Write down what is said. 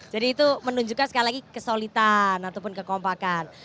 jadi itu menunjukkan sekali lagi kesolidan ataupun kekompakan